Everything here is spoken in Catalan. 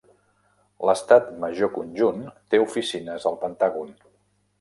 L'Estat major conjunt té oficines al Pentàgon.